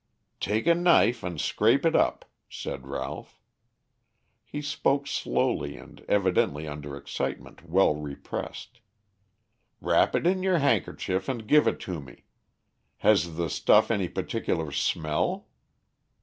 "Take a knife and scrape it up," said Ralph. He spoke slowly and evidently under excitement well repressed. "Wrap it in your handkerchief and give it to me. Has the stuff any particular smell?"